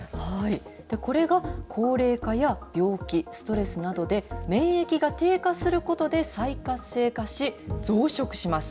これが高齢化や病気、ストレスなどで免疫が低下することで、再活性化し、増殖します。